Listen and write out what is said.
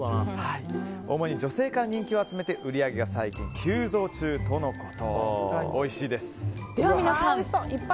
主に女性から人気を集めて売り上げが最近急増中ということ。